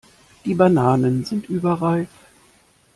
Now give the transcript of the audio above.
Die Bananen sind überreif.